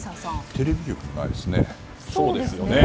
テレビ局、ないですね。